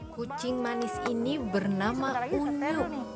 kucing manis ini bernama untel